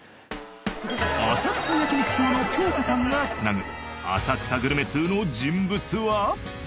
浅草焼肉通の京子さんが繋ぐ浅草グルメ通の人物は？